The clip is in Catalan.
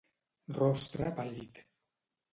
Rostre pàl·lid